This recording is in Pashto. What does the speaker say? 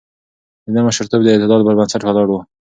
د ده مشرتوب د اعتدال پر بنسټ ولاړ و.